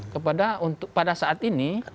kepada pada saat ini